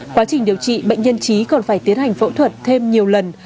quá trình điều trị bệnh nhân trí còn phải tiến hành phẫu thuật thêm nhiều lần